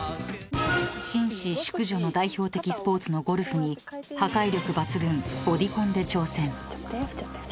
［紳士淑女の代表的スポーツのゴルフに破壊力抜群ボディコンで挑戦］